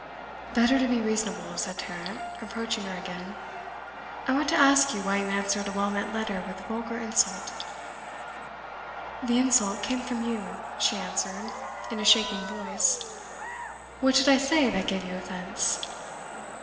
'Better to be reasonable,' said Tarrant, approaching her again. 'I want to ask you why you answered a well meant letter with vulgar insult?' 'The insult came from you,' she answered, in a shaking voice. 'What did I say that gave you offence?